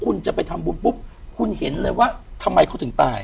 คุณจะไปทำบุญปุ๊บคุณเห็นเลยว่าทำไมเขาถึงตาย